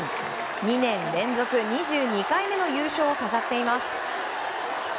２年連続２２回目の優勝を飾っています。